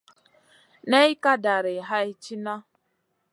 Ney ka dari hay tìhna.